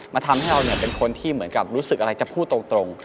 ทำให้เราเป็นคนที่เหมือนกับรู้สึกอะไรจะพูดตรง